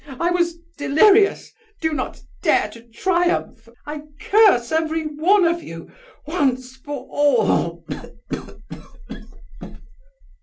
I was delirious, do not dare to triumph! I curse every one of you, once for all!"